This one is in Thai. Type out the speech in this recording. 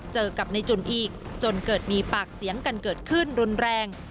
เจอกับในจุ่นอีกจนเกิดมีปากเสียงกันเกิดขึ้นรุนแรง